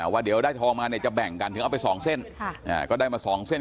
ว่าเดี๋ยวได้ทองมาเนี่ยจะแบ่งกันถึงเอาไป๒เส้นก็ได้มา๒เส้น